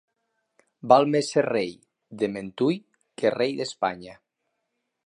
Val més ser rei de Mentui que rei d'Espanya.